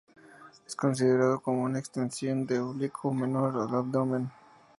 Es considerado como una extensión del oblicuo menor del abdomen.